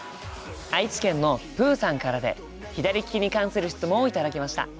愛知県のぷうさんからで左利きに関する質問を頂きました。